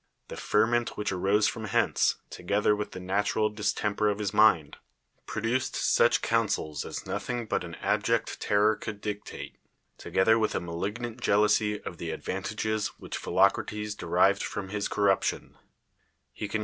The ferment which arose from hence, together v,ith the nat ural distemper of his mind, produced such counsels as nothing but an abject terror could dictate, together with a inaliL^iant jealousy of the advant;iL'<'S whi^ h PhilocT atcs d<'rived fron; his corruj'tio!!. Tic cDnc'.